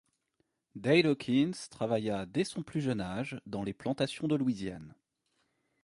Dale Hawkins travailla dès son plus jeune âge dans les plantations de Louisiane.